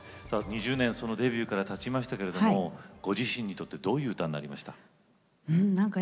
２０年デビューからたちますけれどご自身にとってどういう歌になりましたか。